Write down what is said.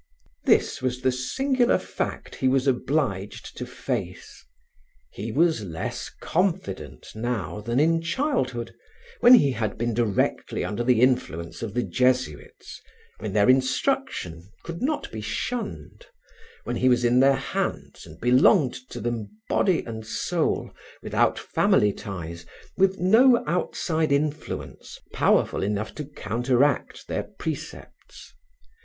This was the singular fact he was obliged to face: he was less confident now than in childhood, when he had been directly under the influence of the Jesuits, when their instruction could not be shunned, when he was in their hands and belonged to them body and soul, without family ties, with no outside influence powerful enough to counteract their precepts.